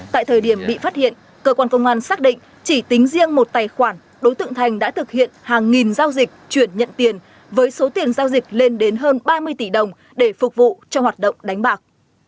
tại thời điểm bị phát hiện cơ quan công an xác định chỉ tính riêng một tài khoản đối tượng thành đã thực hiện hàng nghìn giao dịch chuyển nhận tiền với số tiền giao dịch lên đến hơn ba mươi tỷ đồng để phục vụ cho hoạt động đánh bạc